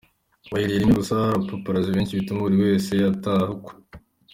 Bahagereye rimwe gusa hari abapaparazzi benshi bituma buri wese ataha ukwe.